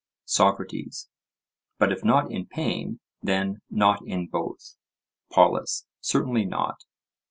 SOCRATES: But if not in pain, then not in both? POLUS: Certainly not.